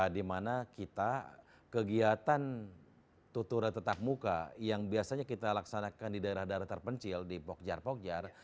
dimana kita kegiatan tutura tetap muka yang biasanya kita laksanakan di daerah daerah terpencil di pokjar pokjar